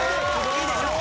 いいでしょう。